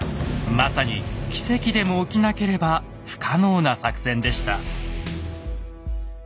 まさに奇跡でも起きなければ不可能な作戦でした。